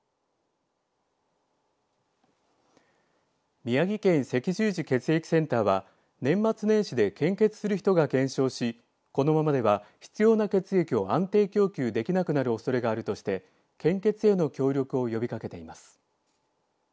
宮城県赤十字血液センターは年末年始で献血する人が減少しこのままでは必要な血液を安定供給できなくなるおそれがあるとして献血への協力を呼びかけています。